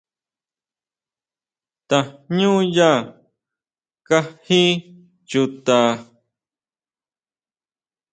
Tajñuña kají chuta.